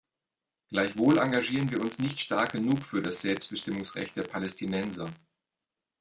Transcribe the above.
Gleichwohl engagieren wir uns nicht stark genug für das Selbstbestimmungsrecht der Palästinenser.